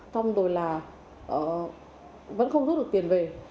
xong rồi là vẫn không rút được tiền về